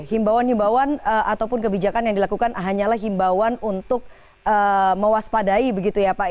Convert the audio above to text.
himbauan himbauan ataupun kebijakan yang dilakukan hanyalah himbauan untuk mewaspadai begitu ya pak